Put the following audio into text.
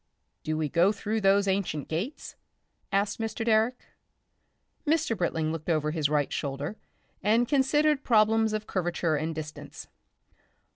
"Do we go through these ancient gates?" asked Mr. Direck. Mr. Britling looked over his right shoulder and considered problems of curvature and distance.